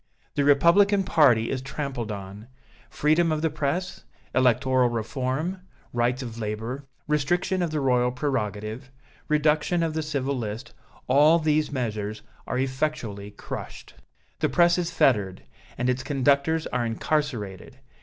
The Republican party is trampled on. Freedom of the press, electoral reform, rights of labor, restriction of the Royal prerogative, reduction of the civil list, all these measures are effectually crushed. The press is fettered, and its conductors are incarcerated.